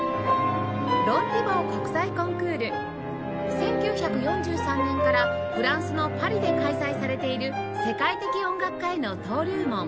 １９４３年からフランスのパリで開催されている世界的音楽家への登竜門